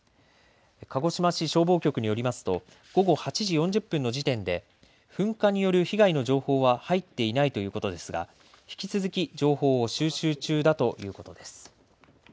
鹿児島市消防局によりますと午後８時４０分の時点で噴火による被害の情報は入っていないということですが引き続き情報を収集中だということです。